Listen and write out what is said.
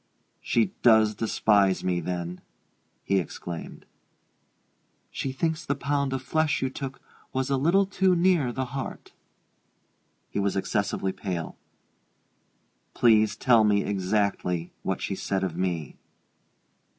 "She does despise me, then?" he exclaimed. "She thinks the pound of flesh you took was a little too near the heart." He was excessively pale. "Please tell me exactly what she said of me."